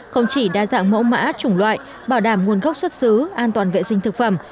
không chỉ đa dạng mẫu mã chủng loại bảo đảm nguồn gốc xuất xứ an toàn vệ sinh thực phẩm